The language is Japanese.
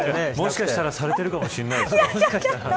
もしかしたらされているかもしれないです。